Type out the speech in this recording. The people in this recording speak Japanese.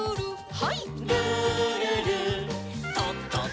はい。